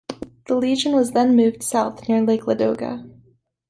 The Legion was then moved south near Lake Ladoga.